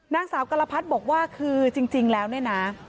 นางสาวกรพัดบอกว่าคือจริงแล้วเนี่ยนะ